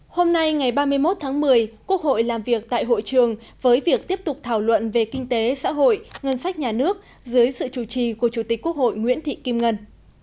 hôm nay ngày ba mươi một tháng một mươi quốc hội làm việc tại hội trường với việc tiếp tục thảo luận về kinh tế xã hội ngân sách nhà nước dưới sự chủ trì của chủ tịch quốc hội nguyễn thị kim ngân